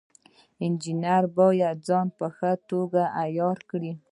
انجینر باید ځان په ښه توګه عیار کړي.